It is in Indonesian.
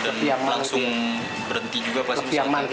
dan langsung berhenti juga pas di sana